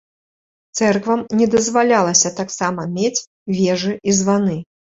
Цэрквам не дазвалялася таксама мець вежы і званы.